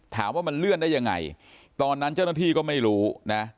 ถามว่ามันเลื่อนได้ยังไงตอนนั้นเจ้าหน้าที่ก็ไม่รู้นะ